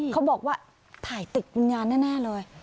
เขาบอกว่าถ่ายติดวิญญาณแน่เลย